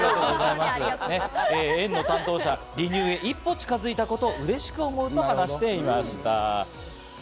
園の担当者、離乳へ一歩近づいたことをうれしく思うと話していました。